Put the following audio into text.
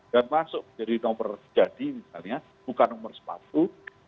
dan masuk jadi nomor jadi misalnya bukan nomor sepatu